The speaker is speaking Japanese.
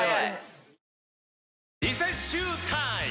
リセッシュータイム！